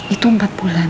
itu empat bulan